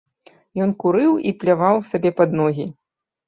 Ён курыў і пляваў сабе пад ногі.